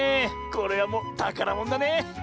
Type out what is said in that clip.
これはもうたからものだね！